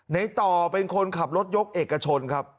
ในต่อเป็นคนขับรถยกเอกชนครับ